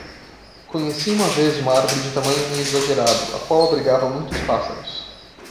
Conheci uma vez uma árvore de tamanho meio exagerado, a qual abrigava muitos pássaros.